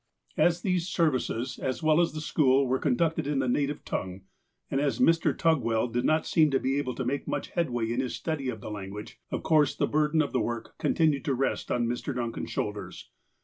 148 THE APOSTLE OF ALASKA As these services, as well as the school, were conducted in the native tongue, and as Mr. Tugwell did not seem to be able to make much headway in his study of the language, of course the burden of the work continued to rest on Mr. Duncan's shoulders.